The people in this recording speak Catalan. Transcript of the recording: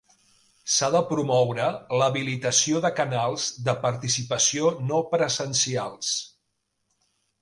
S'ha de promoure l'habilitació de canals de participació no presencials.